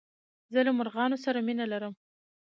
زه له مرغانو سره مينه لرم.